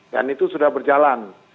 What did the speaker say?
dan itu sudah berjalan